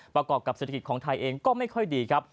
ประกอบกับเศรษฐกิจของไทยเองก็ไม่ค่อยดีครับ